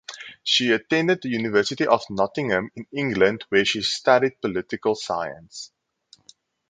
She attended the University of Nottingham in England where she studied political science.